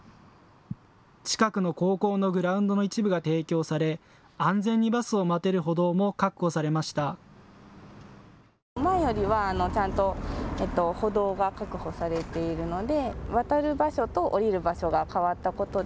近くの高校のグラウンドの一部が提供され、安全にバスを待てる歩道も確保されました。